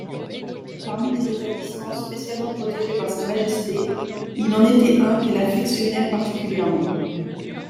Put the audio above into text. Parmi les établissemens spécialement protégés par Sa Majesté, il en était un qu'elle affectionnait particulièrement.